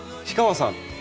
氷川さん